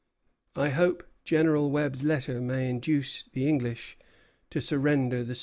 I hope General Webb's letter may induce the English to surrender the sooner."